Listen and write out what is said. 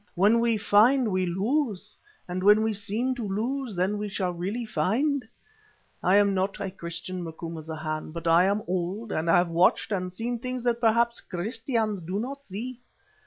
when we find we lose, and when we seem to lose, then we shall really find. I am not a Christian, Macumazahn, but I am old, and have watched and seen things that perhaps Christians do not see.